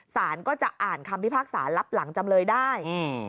สารก็จะอ่านคำพิพากษารับหลังจำเลยได้อืม